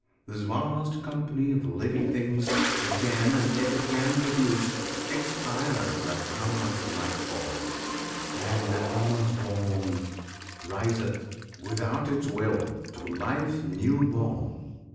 this vast company of living things Again and yet again produced expires At Brahma's Nightfall; and, at Brahma's Dawn, Riseth, without its will, to life new born.